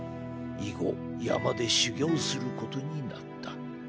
以後山で修行することになった。